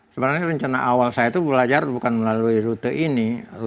sebenarnya rencana awal saya itu belajar bukan melalui rute ini